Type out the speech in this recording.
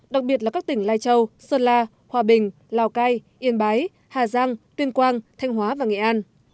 đặc biệt là các tỉnh lai châu sơn la hòa bình lào cai yên bái hà giang tuyên quang thanh hóa và nghệ an